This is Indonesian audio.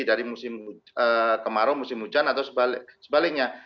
dari musim kemarau musim hujan atau sebaliknya